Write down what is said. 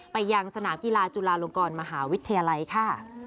ไปยังสนามกีฬาจุฬาลงกรมหาวิทยาลัยค่ะ